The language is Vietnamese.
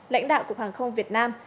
lãnh đạo cục hàng không việt nam